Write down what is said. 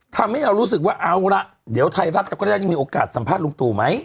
ทำให้เรารู้สึกว่าเอาละเดี๋ยวไทยรัฐเราก็ได้มีโอกาสสัมภาษณลุงตู่ไหม